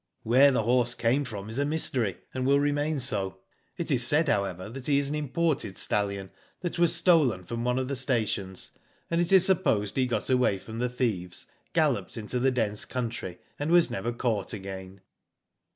''Where the horse came from is a mystery, and will remain so. It is said, however, that he is an imported stallion that was stolen from one of the stations, and it is supposed he got away from the thieves, galloped into the dense country, and was never caught again.